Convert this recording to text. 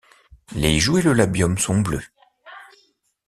Les joues et le labium sont bleus.